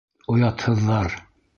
Оятһыҙҙар!